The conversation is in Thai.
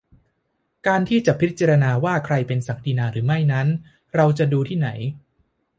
การที่จะพิจารณาว่าใครเป็นศักดินาหรือไม่นั้น เราจะดูที่ไหน ?